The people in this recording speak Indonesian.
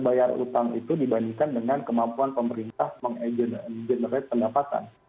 bayar utang itu dibandingkan dengan kemampuan pemerintah mengenerate pendapatan